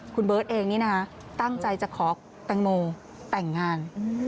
คุณเบิร์ตเองนี่นะคะตั้งใจจะขอแตงโมแต่งงาน